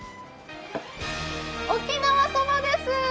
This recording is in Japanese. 沖縄そばです！